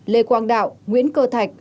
lê quang đạo nguyễn cơ thạch